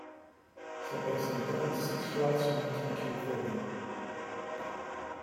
Se presentó en six flags mountain Ca.